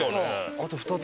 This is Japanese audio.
あと２つだ。